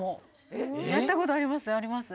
やったことありますあります